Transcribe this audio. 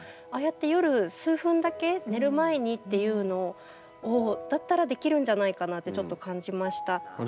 ああやって夜数分だけ寝る前にっていうのだったらできるんじゃないかなってちょっと感じました。